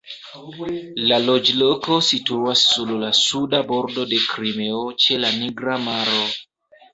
La loĝloko situas sur la Suda Bordo de Krimeo ĉe la Nigra maro.